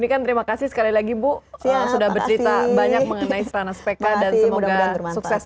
demikian terima kasih sekali lagi bu sudah bercerita banyak mengenai serana spk dan semoga sukses